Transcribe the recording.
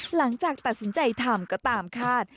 หลังจากตัดสินใจทำก็ตามคาด